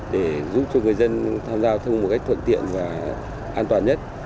để giúp cho người dân tham gia giao thông một cách thuận tiện và an toàn nhất